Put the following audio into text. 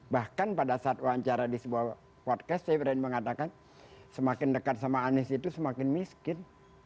bahkan pada saat wawancara di sebuah podcast saya berani mengatakan semakin dekat sama anies itu semakin miskin